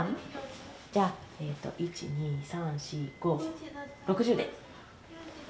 じゃあ１２３４５６０で。